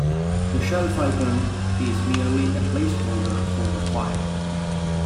The Shelf icon is merely a placeholder for the file.